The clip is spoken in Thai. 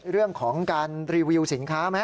เรื่องของการรีวิวสินค้าไหม